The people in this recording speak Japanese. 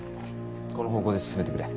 この方向で進めてくれ。